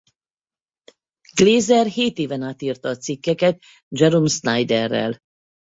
Glaser hét éven át írta a cikkeket Jerome Snyderrel.